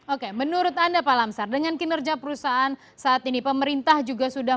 oke menurut anda pak lamsar dengan kinerja perusahaan saat ini pemerintah juga sudah